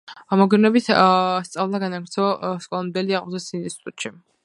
მოგვიანებით სწავლა განაგრძო სკოლამდელი აღზრდის ინსტიტუტში.